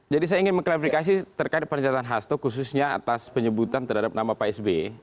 jadi saya ingin mengklarifikasi terkait pernyataan hasto khususnya atas penyebutan terhadap nama pak sby